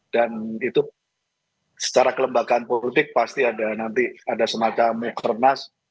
dan itu secara kelembagaan politik pasti ada nanti ada semacam eksternas